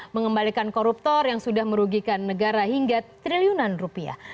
mengembalikan koruptor yang sudah merugikan negara hingga triliunan rupiah